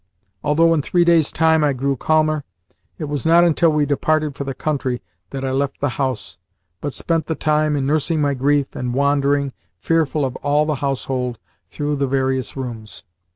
Although, in three days' time, I grew calmer, it was not until we departed for the country that I left the house, but spent the time in nursing my grief and wandering, fearful of all the household, through the various rooms.